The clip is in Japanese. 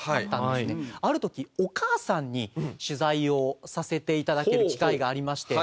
ある時お母さんに取材をさせて頂ける機会がありまして。